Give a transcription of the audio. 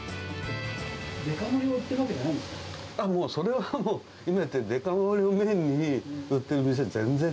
デカ盛りを売ってるわけではそれはもう、だって、デカ盛りをメインに売ってる店、全然。